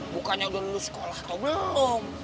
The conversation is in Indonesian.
bukannya udah lulus sekolah atau belum